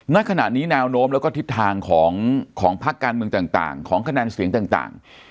ในขณะนี้นาวโน้มแล้วก็ทิศทางของของภาคการเมืองต่างของขนาดเสียงต่าง